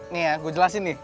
nih yang gue jelasin nih